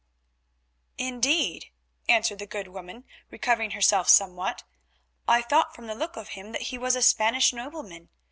"Indeed," answered the good woman, recovering herself somewhat, "I thought from the look of him that he was a Spanish nobleman.